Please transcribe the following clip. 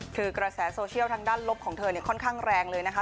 คือกระแสโซเชียลทางด้านลบของเธอค่อนข้างแรงเลยนะคะ